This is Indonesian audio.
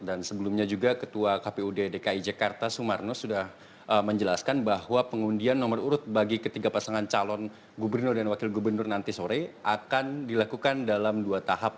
dan sebelumnya juga ketua kpud dki jakarta sumarno sudah menjelaskan bahwa pengundian nomor urut bagi ketiga pasangan calon gubernur dan wakil gubernur nanti sore akan dilakukan dalam dua tahap